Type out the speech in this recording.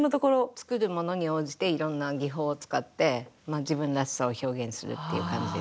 作るものに応じていろんな技法を使ってまあ自分らしさを表現するっていう感じですね。